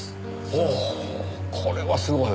おおこれはすごい。